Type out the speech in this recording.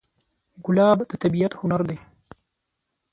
ګلاب د طبیعت هنر دی.